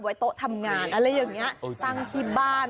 โต๊ะทำงานอะไรอย่างนี้ตั้งที่บ้าน